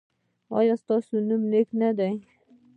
ایا ستاسو نوم نیک نه دی؟